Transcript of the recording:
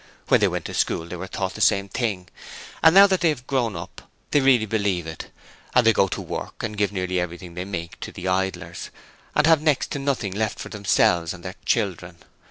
When they went to school, they were taught the same thing: and now that they're grown up they really believe it, and they go to work and give nearly everything they make to the idlers, and have next to nothing left for themselves and their children.